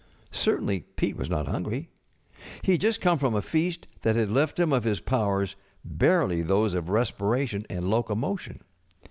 Certainly Pete w^as not hungry. He had just come from a feast that had left him of his powders barely those of respiration and locomotion.